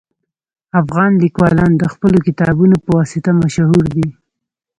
افغان لیکوالان د خپلو کتابونو په واسطه مشهور دي